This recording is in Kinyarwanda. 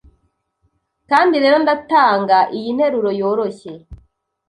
Kandi rero ndatanga iyi nteruro yoroshye